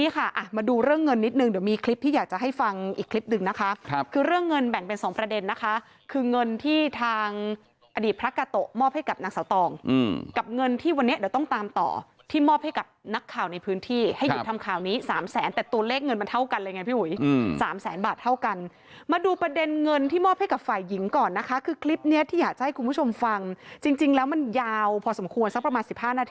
กับเงินที่วันเนี้ยเดี๋ยวต้องตามต่อที่มอบให้กับนักข่าวในพื้นที่ให้หยุดทำข่าวนี้สามแสนแต่ตัวเลขเงินมันเท่ากันเลยไงพี่หุยสามแสนบาทเท่ากันมาดูประเด็นเงินที่มอบให้กับฝ่ายหญิงก่อนนะคะคือคลิปเนี้ยที่อยากจะให้คุณผู้ชมฟังจริงจริงแล้วมันยาวพอสมควรสักประมาณสิบห้านาท